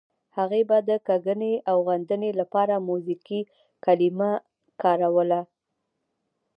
هغې به د کږنې او غندنې لپاره موزیګي کلمه کاروله.